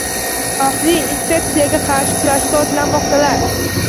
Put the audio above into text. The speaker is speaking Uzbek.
Xavfli infeksiyaga qarshi kurashga otlanmoqdalar